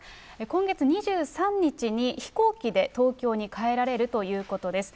今月２３日に飛行機で東京に帰られるということです。